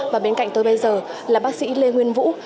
và bên cạnh tôi bây giờ là bác sĩ lê nguyên vũ